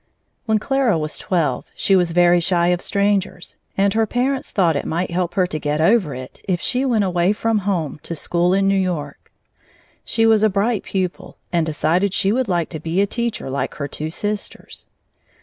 When Clara was twelve, she was very shy of strangers, and her parents thought it might help her to get over it if she went away from home to school in New York. She was a bright pupil and decided she would like to be a teacher like her two sisters.